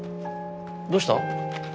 どうした？